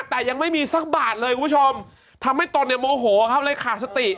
แต่ยังไม่มีสักบาทเลยคุณผู้ชมทำให้ตนเนี่ยโมโหครับเลยขาดสติ